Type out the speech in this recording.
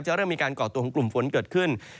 เริ่มมีการก่อตัวของกลุ่มฝนเกิดขึ้น